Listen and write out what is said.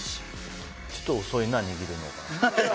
ちょっと遅いな、握るのが。